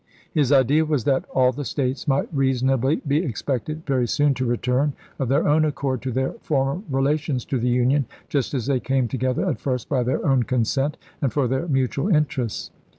His idea was that "all the States might reasonably be expected, very soon, to return, of their own accord, to their former relations to the Union, just as they came together at first by their own consent, and for their mutual interests.